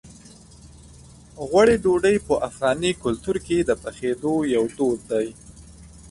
غوړي ډوډۍ په افغاني کلتور کې د پخېدو یو دود دی.